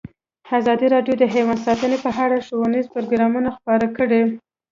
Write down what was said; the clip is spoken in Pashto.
ازادي راډیو د حیوان ساتنه په اړه ښوونیز پروګرامونه خپاره کړي.